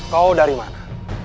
kau dari mana